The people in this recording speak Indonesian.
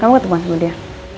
kamu ketemuan sama dia